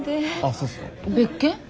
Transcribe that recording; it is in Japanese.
別件？